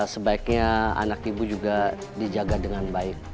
sebaiknya anak ibu juga dijaga dengan baik